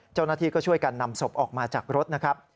เจ้าหน้าที่ก็ช่วยกันนำศพออกมาจากรถนะครับ